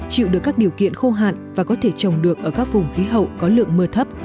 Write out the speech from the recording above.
chịu được các điều kiện khô hạn và có thể trồng được ở các vùng khí hậu có lượng mưa thấp